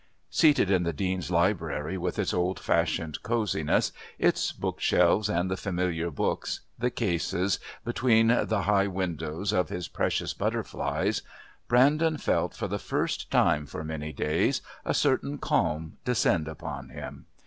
Seated in the Dean's library, with its old fashioned cosiness its book shelves and the familiar books, the cases, between the high windows, of his precious butterflies Brandon felt, for the first time for many days, a certain calm descend upon him.